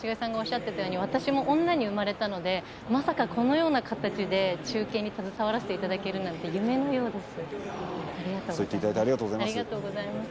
さっき松重さんがおっしゃっていたように私も女に生まれたので、まさかこのような形で中継に関わらせていただくなんて夢のようです。